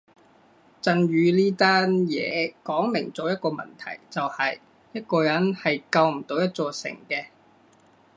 震宇呢單嘢講明咗一個問題就係一個人係救唔到一座城嘅